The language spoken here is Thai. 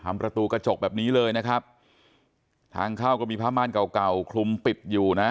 ประตูกระจกแบบนี้เลยนะครับทางเข้าก็มีผ้าม่านเก่าเก่าคลุมปิดอยู่นะ